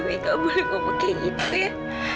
wuih gak boleh ngomong kayak gitu ya